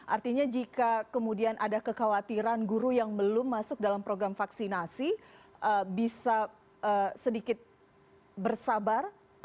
artinya jika kemudian ada kekhawatiran guru yang belum masuk dalam program vaksinasi bisa sedikit bersabar